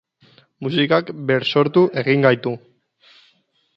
Musikak bersortu egiten gaitu.